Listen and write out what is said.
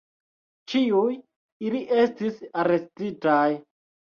Ĉiuj ili estis arestitaj.